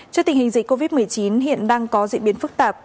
trước tình hình dịch covid một mươi chín hiện đang có diễn biến phức tạp